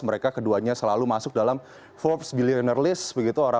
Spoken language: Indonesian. mereka keduanya selalu masuk dalam forbes billionaire list